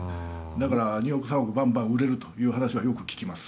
だから２億３億バンバン売れる話はよく聞きます。